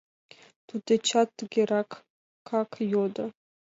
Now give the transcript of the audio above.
Туддечат тыгеракак йодо: